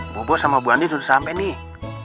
bobo sama bu ani sudah sampai nih